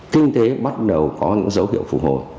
kinh tế bắt đầu có những dấu hiệu phục hồi